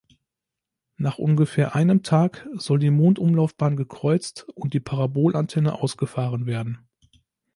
Nach ungefähr einem Tag soll die Mondumlaufbahn gekreuzt und die Parabolantenne ausgefahren werden.